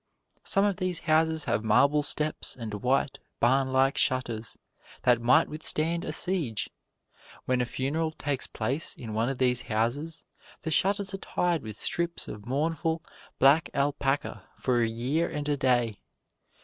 Some of these houses have marble steps and white, barn like shutters, that might withstand a siege. When a funeral takes place in one of these houses, the shutters are tied with strips of mournful, black alpaca for a year and a day.